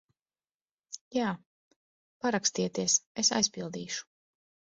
Jā. Parakstieties, es aizpildīšu.